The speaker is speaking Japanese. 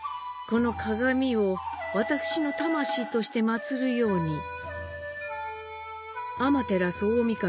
この鏡を私の魂として祀るように。